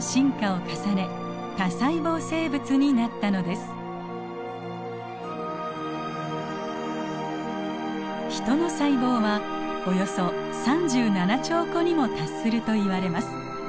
それがゆっくりとヒトの細胞はおよそ３７兆個にも達するといわれます。